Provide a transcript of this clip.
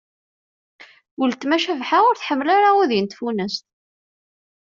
Ultma Cabḥa ur tḥemmel ara udi n tfunast.